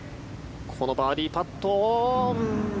このバーディーパット。